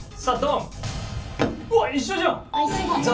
うわっ一緒じゃん！